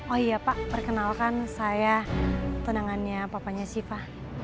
oh iya pak perkenalkan saya tenangannya papanya siva